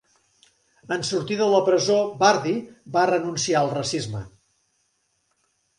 En sortir de la presó, Burdi va renunciar al racisme.